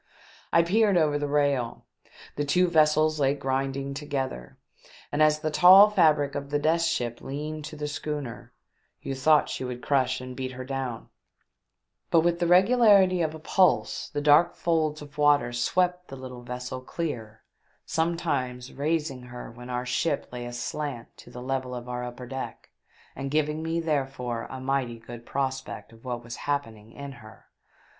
I peered over the rail. The two vessels lay grinding together, and as the tall fabric of the Death Ship leaned to the schooner, you thought she would crush and beat her down, but with the regularity of a pulse the dark folds of water swept the little vessel clear, sometimes raising her when our ship lay aslant to the level of our upper deck, and giving me, therefore, a mighty good prospect of what was happening in her.